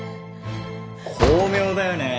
巧妙だよね。